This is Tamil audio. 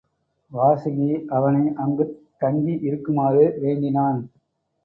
வாசுகி அவனை அங்குத் தங்கி இருக்குமாறு வேண்டினான்.